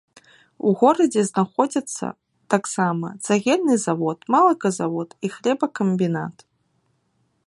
У горадзе знаходзяцца таксама цагельны завод, малаказавод і хлебакамбінат.